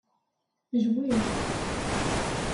Ilwiɣ.